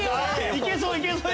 いけそういけそう。